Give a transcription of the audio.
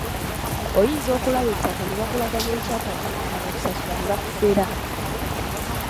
Oyinza okulaba ettaka ne bakulaga n’ekyapa naye bw'omala okusasula ne bakufera.